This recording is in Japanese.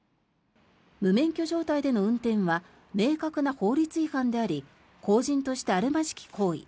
無免許状態での運転は明確な法律違反であり公人としてあるまじき行為